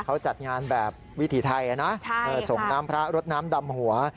เขาจัดงานแบบวิถีไทยนะส่งน้ำพระรดน้ำดำหัว